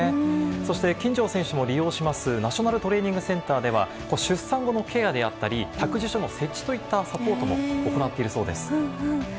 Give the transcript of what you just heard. そして金城選手も利用するナショナルトレーニングセンターでは出産後のケアであったり託児所の設置といったサポートも行っているそうです。